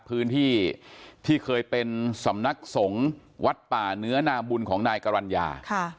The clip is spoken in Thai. พื้นที่ที่เคยเป็นสำนักสงฆ์วัดป่าเนื้อนาบุญของนายกรรณญา